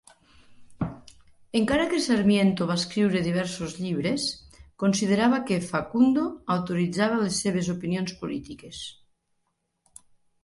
Encara que Sarmiento va escriure diversos llibres, considerava que "Facundo" autoritzava les seves opinions polítiques.